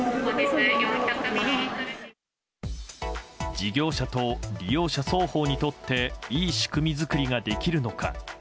事業者と利用者、双方にとって良い仕組み作りができるのか。